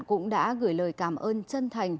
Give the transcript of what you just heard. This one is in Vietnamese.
cũng đã gửi lời cảm ơn chân thành